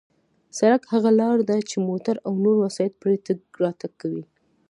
سړک هغه لار ده چې موټر او نور وسایط پرې تگ راتگ کوي.